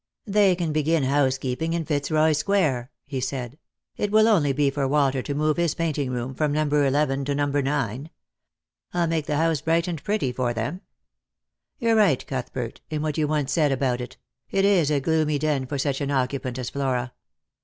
" They can begin housekeeping in Fitzroy square," he said ;" it will only be for Walter to move his painting room from Lost for Love. 151 number eleven to number nine. I'll make the house bright and pretty for them. You're right, Cuthbert, in what you once said about it ; it is a gloomy den for such an occupant as Flora.